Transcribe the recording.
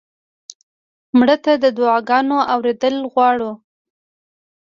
مړه ته د دعا ګانو اورېدل غواړو